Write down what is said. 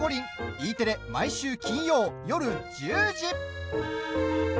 Ｅテレ、毎週金曜、夜１０時。